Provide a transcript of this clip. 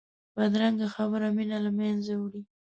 بدرنګه خبره مینه له منځه وړي